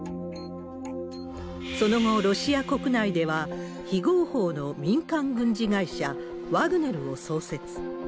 その後、ロシア国内では非合法の民間軍事会社、ワグネルを創設。